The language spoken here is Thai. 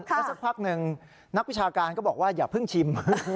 แล้วสักพักหนึ่งนักวิชาการก็บอกว่าอย่าเพิ่งชิม